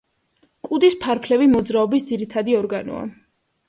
კუდის ფარფლები მოძრაობის ძირითადი ორგანოა.